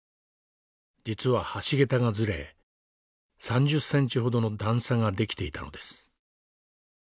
実は橋桁がずれ３０センチほどの段差が出来ていたのです。